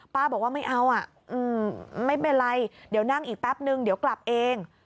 บอกว่าไม่เอาอ่ะไม่เป็นไรเดี๋ยวนั่งอีกแป๊บนึงเดี๋ยวกลับเอง